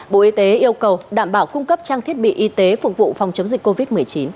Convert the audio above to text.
bộ y tế yêu cầu đảm bảo cung cấp trang thiết bị y tế phục vụ phòng chống dịch covid một mươi chín